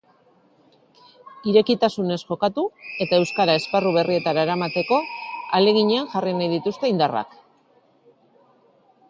Irekitasunez jokatu, eta euskara esparru berrietara eramateko ahaleginean jarri nahi dituzte indarrak.